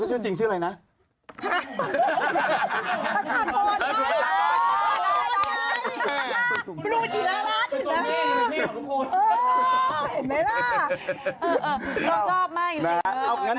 เป็นคนที่เป็นข่าวของคุณซันไง